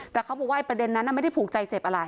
แต่เขาบอกว่าประเด็นนั้นไม่ได้ผูกใจเจ็บอะไร